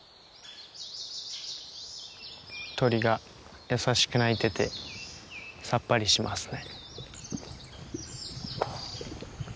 鳥が優しく鳴いててさっぱりしますね。